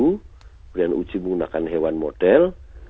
kemudian uji menggunakan hewan model